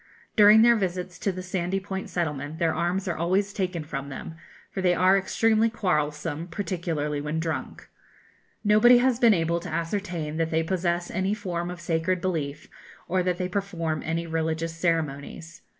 During their visits to the Sandy Point settlement their arms are always taken from them, for they are extremely quarrelsome, particularly when drunk. Nobody has been able to ascertain that they possess any form of sacred belief, or that they perform any religious ceremonies.